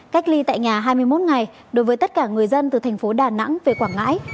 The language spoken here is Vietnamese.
cách ly tại nhà hai mươi một ngày đối với tất cả người dân từ thành phố đà nẵng về quảng ngãi